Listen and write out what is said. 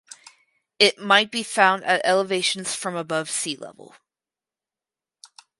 It might be found at elevations from above sea level.